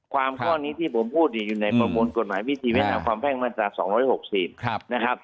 ข้อนี้ที่ผมพูดอยู่ในประมวลกฎหมายวิธีแนะนำความแพ่งมาตรา๒๖๐นะครับ